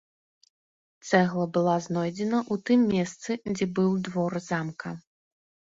Цэгла была знойдзена ў тым месцы, дзе быў двор замка.